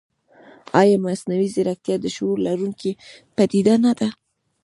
ایا مصنوعي ځیرکتیا د شعور لرونکې پدیده نه ده؟